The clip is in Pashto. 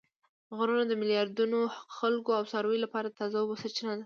غرونه د میلیاردونو خلکو او څارویو لپاره د تازه اوبو سرچینه ده